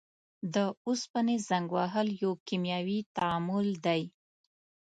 د اوسپنې زنګ وهل یو کیمیاوي تعامل دی.